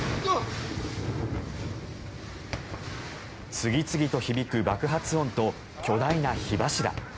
次々と響く爆発音と巨大な火柱。